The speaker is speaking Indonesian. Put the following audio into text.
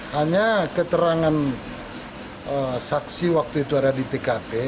hanya keterangan saksi waktu itu ada di tkp